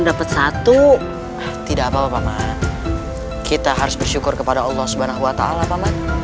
dapat satu tidak apa apa ma'an kita harus bersyukur kepada allah subhanahu wa ta'ala